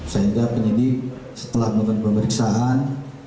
sehingga penyidik setelah melakukan pemeriksaan